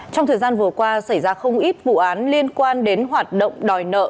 trong thời gian vừa qua xảy ra không ít vụ án liên quan đến hoạt động đòi nợ